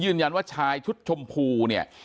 ยืนยันว่าชายชุดชมพูเนี่ย